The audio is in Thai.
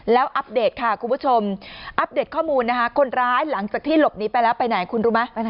แล้วอัปเดตค่ะคุณผู้ชมอัปเดตข้อมูลนะคะคนร้ายหลังจากที่หลบหนีไปแล้วไปไหนคุณรู้ไหม